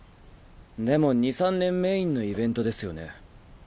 でも二三年メインのイベントですよね？